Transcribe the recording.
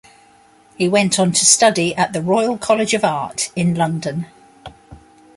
He went on to study at the Royal College of Art in London.